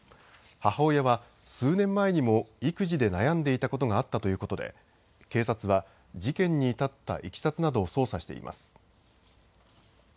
母親は数年前にも育児で悩んでいたことがあったということで警察は事件に至ったいきさつなどを捜査しています。